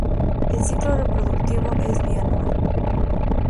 El ciclo reproductivo es bianual.